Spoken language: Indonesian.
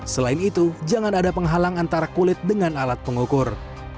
selain itu jangan ada penghalang antara kulit dengan alat pengukur